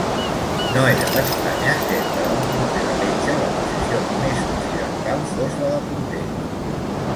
No era d'estranyar que, per a un porter de metxa, la posició més occidental fos la de porter.